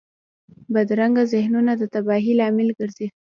بدرنګه ذهنونه د تباهۍ لامل ګرځي